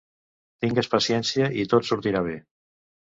Tingues paciència i tot sortirà bé.